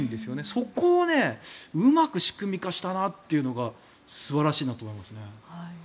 そこをうまく仕組み化したなというのが素晴らしいなと思いますね。